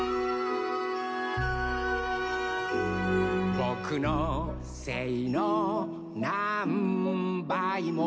「ぼくのせいのなんばいも」